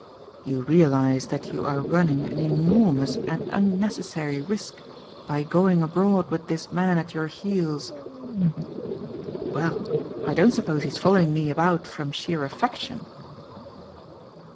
You realize that you are running an enormous and unnecessary risk by going abroad with this man at your heels?" "Well, I don't suppose he is following me about from sheer affection."